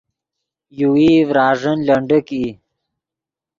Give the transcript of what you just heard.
یوویئی ڤراݱین لنڈیک ای